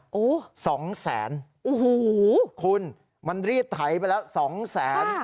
โอ้โหสองแสนโอ้โหคุณมันรีดไถไปแล้วสองแสน